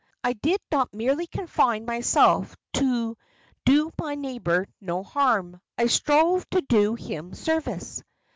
I did not merely confine myself to do my neighbour no harm; I strove to do him service."